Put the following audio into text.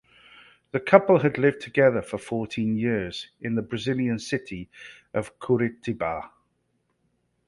The couple had lived together for fourteen years, in the Brazilian city of Curitiba.